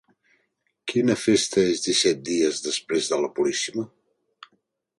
Quina festa és disset dies després de la Puríssima?